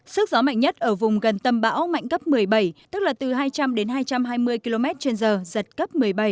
sức gió mạnh nhất ở vùng gần tâm bão mạnh cấp một mươi bảy tức là từ hai trăm linh đến hai trăm hai mươi km trên giờ giật cấp một mươi bảy